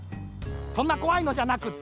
そんなこわいのじゃなくって。